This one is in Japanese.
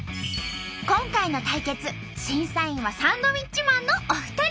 今回の対決審査員はサンドウィッチマンのお二人。